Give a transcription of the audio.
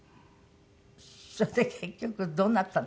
それで結局どうなったんですか？